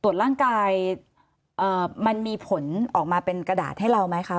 ร่างกายมันมีผลออกมาเป็นกระดาษให้เราไหมคะ